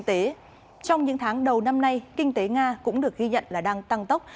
trong những tháng đầu năm nay kinh tế nga cũng được ghi nhận là đang tăng tốc